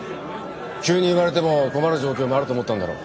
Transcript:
急に言われても困る状況もあると思ったんだろ。